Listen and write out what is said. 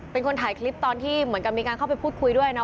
เป็นคนถ่ายคลิปตอนที่เหมือนกับมีการเข้าไปพูดคุยด้วยเนาะ